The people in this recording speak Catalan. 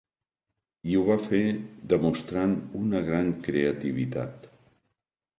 I ho va fer demostrant una gran creativitat.